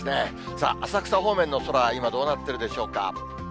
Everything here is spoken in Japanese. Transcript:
さあ、浅草方面の空は今どうなっているでしょうか。